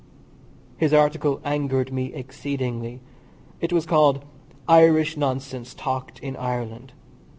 His article angered me exceedingly. It was called "Irish Nonsense talked in Ireland."